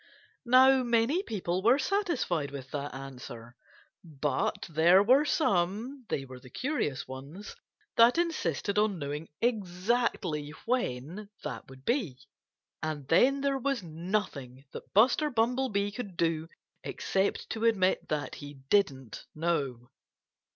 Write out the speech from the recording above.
Now, many people were satisfied with that answer. But there were some (they were the curious ones) that insisted on knowing exactly when that would be. And then there was nothing that Buster Bumblebee could do except to admit that he didn't know.